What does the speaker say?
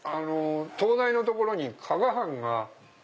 東大の所に加賀藩が。